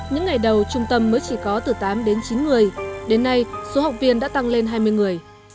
những ngày đầu trung tâm mới chỉ có từ tám đến chín người đến nay số học viên đã tăng lên hai mươi người